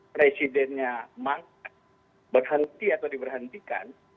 presidennya mangkat berhenti atau diberhentikan